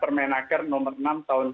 pemenaker nomor enam tahun dua ribu enam belas